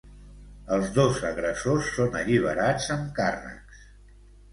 Els dos agressors són alliberats amb càrrecs.